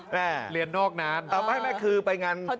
เรียนนอกนาน